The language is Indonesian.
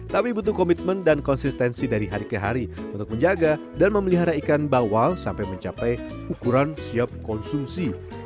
tapi butuh komitmen dan konsistensi dari hari ke hari untuk menjaga dan memelihara ikan bawal sampai mencapai ukuran siap konsumsi